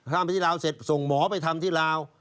ทำไปที่ลาวเสร็จส่งหมอไปทำที่ลาว